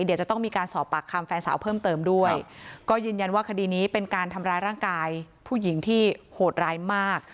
เดี๋ยวจะต้องมีการสอบปากคำแฟนสาวเพิ่มเติมด้วยก็ยืนยันว่าคดีนี้เป็นการทำร้ายร่างกายผู้หญิงที่โหดร้ายมาก